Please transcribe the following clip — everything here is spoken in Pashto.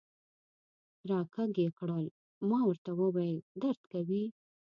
را کږ یې کړل، ما ورته وویل: درد کوي.